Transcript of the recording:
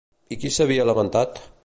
I qui s'havia lamentat?